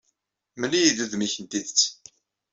Mmel-iyi-d udem-ik n tidet.